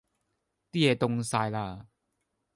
啲野凍曬啦!